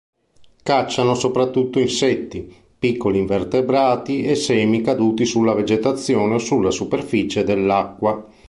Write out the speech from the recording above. Cacciano soprattutto insetti, piccoli invertebrati e semi caduti sulla vegetazione o sulla superficie dell'acqua.